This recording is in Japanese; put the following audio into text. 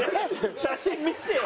写真見せてよ。